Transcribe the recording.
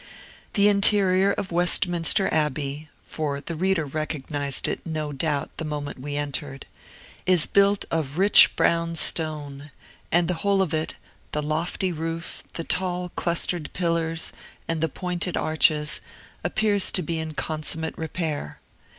The interior of Westminster Abbey (for the reader recognized it, no doubt, the moment we entered) is built of rich brown stone; and the whole of it the lofty roof, the tall, clustered pillars, and the pointed arches appears to be in consummate repair.